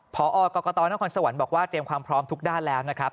พอกรกตนครสวรรค์บอกว่าเตรียมความพร้อมทุกด้านแล้วนะครับ